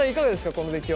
この出来は。